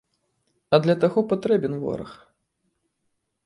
А для таго патрэбен вораг.